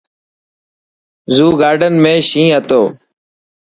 زو گارڊن ۾ شين هتو.